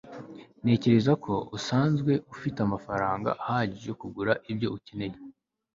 ntekereza ko usanzwe ufite amafaranga ahagije yo kugura ibyo ukeneye